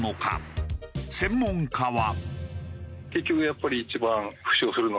専門家は。